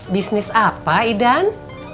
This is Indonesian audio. bisnis apa idan